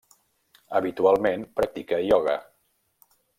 Habitualment practica ioga.